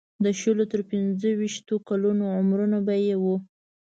د شلو تر پنځه ویشتو کلونو عمرونه به یې وو.